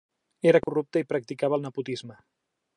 Era corrupte i practicava el nepotisme.